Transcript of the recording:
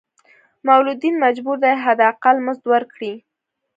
مولدین مجبور دي حد اقل مزد ورکړي.